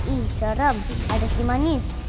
ih garam ada si manis